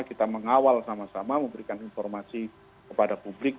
kita mengawal sama sama memberikan informasi kepada publik